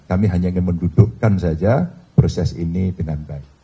kami hanya ingin mendudukkan saja proses ini dengan baik